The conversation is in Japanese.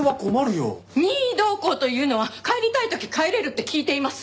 任意同行というのは帰りたい時帰れるって聞いています。